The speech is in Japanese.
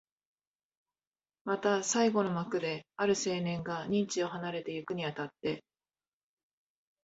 また最後の幕で、ある青年が任地を離れてゆくに当たって、